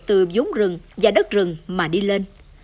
từ giống rừng và đất rừng mà đi lên